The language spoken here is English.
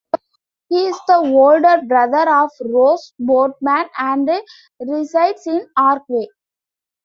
He is the older brother of Ross Boatman, and resides in Archway.